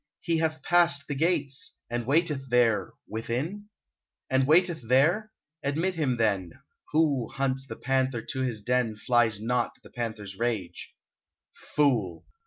He hath passed the gates — And waiteth there — within ? io6 UNBIDDEN And waiteth there ?... Admit him then : Who hunts the panther to his den Flies not the panther's rage. .,. Fool